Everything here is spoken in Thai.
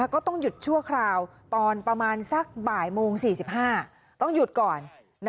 ก็ต้องหยุดชั่วคราวตอนประมาณสักบ่ายโมง๔๕ต้องหยุดก่อน